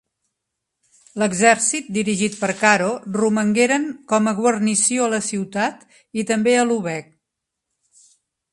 L'exèrcit dirigit per Caro romangueren com a guarnició a la ciutat i també a Lübeck.